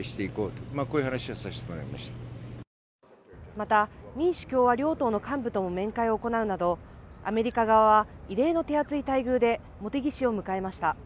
また民主共和両党の幹部とも面会を行うなど、アメリカ側は異例の手厚い待遇で茂木氏を迎えました。